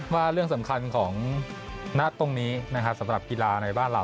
ว่าเรื่องสำคัญของณตรงนี้นะครับสำหรับกีฬาในบ้านเรา